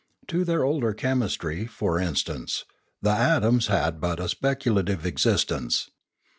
To their older chemistry, for instance, the atoms had but a speculative existence.